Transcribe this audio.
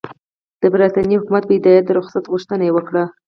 د برټانیې حکومت په هدایت د رخصت غوښتنه وکړه.